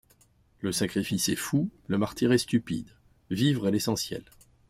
Le sacrifice est fou, le martyre est stupide ; Vivre est l’essentiel.